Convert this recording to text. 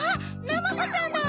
ナマコちゃんだ！